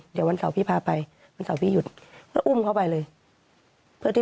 เดี๋ยววันเสาร์พี่พาไปวันเสาร์พี่หยุดก็อุ้มเขาไปเลยเพื่อที่